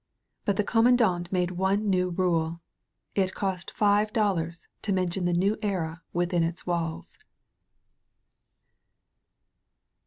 But the Comman dant made one new rule. It cost five dollars to mention the New Era within its walls.